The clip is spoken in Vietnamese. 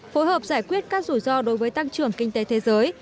phối hợp giải quyết các rủi ro đối với tăng trưởng kinh tế thế giới